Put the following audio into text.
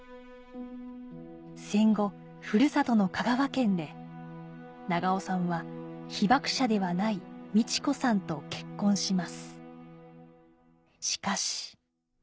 戦後ふるさとの香川県で長尾さんは被爆者ではない美知子さんと結婚します